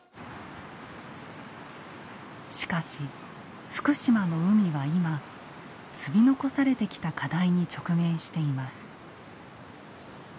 しかし福島の海は今積み残されてきた課題に直面しています。